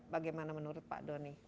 bagaimana menurut pak doni